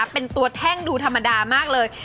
เป็นตัวแท่งดูธรรมดามากเลย